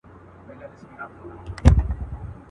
کومول زړه نا زړه سو تېر له سر او تنه.